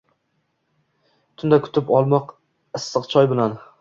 tunda kutib olmoq issiq choy bilan.